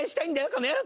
この野郎。